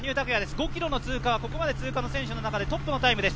５ｋｍの通過はここまでの通過の選手の中でトップのタイムです。